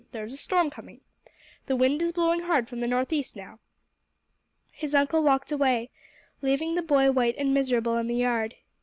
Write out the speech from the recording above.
There is a storm coming. The wind is blowing hard from the northeast now." His uncle walked away, leaving the boy white and miserable in the yard.